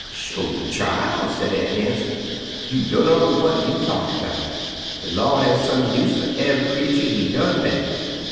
"Sho', chil'!" said Aunt Nancy, "you dunno w'at you talkin' 'bout; de Lawd have some use fer ev'y creetur He done mek.